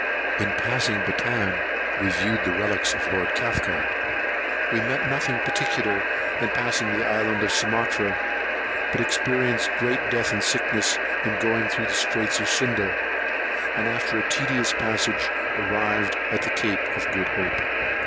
In passing Bantan, we viewed the relics of Lord Cathcart. We met nothing particular in passing the island of Sumatra, but experienced great death and sickness in going through the Straits of Sunda; and after a tedious passage, arrived at the Cape of Good Hope.